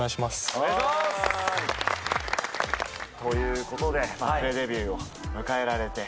お願いします！ということでプレデビューを迎えられて。